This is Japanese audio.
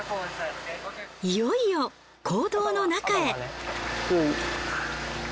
いよいよ坑道の中へ。